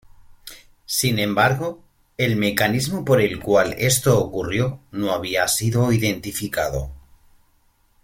Sin embargo, el mecanismo por el cual esto ocurrió no había sido identificado.